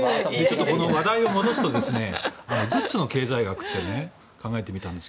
この話題を戻すとグッズの経済学って考えてみたんです。